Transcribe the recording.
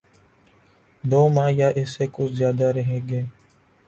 دو ماہ یا اس سے کچھ زیادہ رہیں گے۔